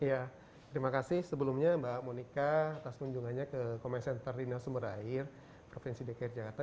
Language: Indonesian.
ya terima kasih sebelumnya mbak monika atas kunjungannya ke commit center dinas sumber air provinsi dki jakarta